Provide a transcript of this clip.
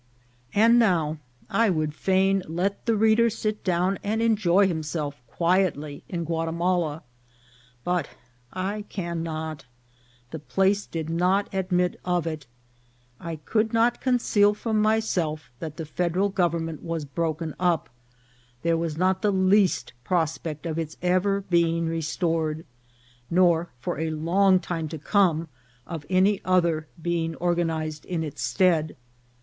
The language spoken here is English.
And now I would fain let the reader sit down and enjoy himself quietly in Guatimala, but I cannot. The place did not admit of it. I could not conceal from myself that the Federal Government was broken up ; there was not the least prospect of its ever being re stored, nor, for a long time to come, of any other being organized in its stead.